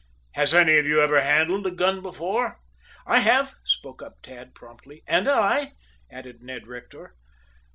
Has any of you ever handled a gun before?" "I have," spoke up Tad promptly. "And I," added Ned Rector.